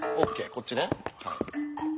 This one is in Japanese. こっちね。